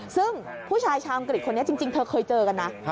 ซึ่งผู้ชายชาวอังกฤษคนนี้จริงเธอเคยเจอกันนะ